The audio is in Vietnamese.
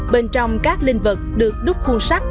bên trong các linh vật được đúc khuôn sắt